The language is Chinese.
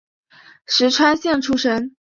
石川县出身。